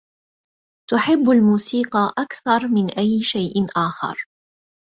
تحب الموسيقى أكثر من أي شيء آخر.